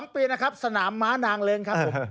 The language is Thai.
๒ปีนะครับสนามม้านางเริงครับผม